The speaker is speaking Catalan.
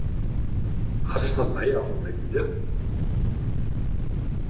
Has estat mai a Alfondeguilla?